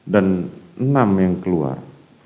dan enam yang keluar